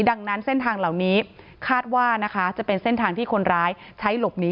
ดังนั้นเส้นทางเหล่านี้คาดว่านะคะจะเป็นเส้นทางที่คนร้ายใช้หลบหนี